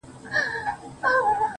دا خو ددې لپاره.